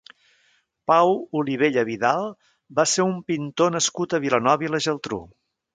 Pau Olivella Vidal va ser un pintor nascut a Vilanova i la Geltrú.